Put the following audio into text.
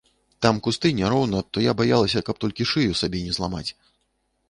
Там кусты, няроўна, то я баялася, каб толькі шыю сабе не зламаць.